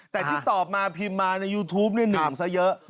แต่ที่ตอบมาพิมพ์มาในยูทูปหนึ่งซะเยอะ